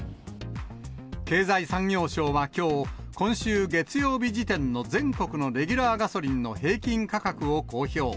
経済産業省はきょう、今週月曜日時点の全国のレギュラーガソリンの平均価格を公表。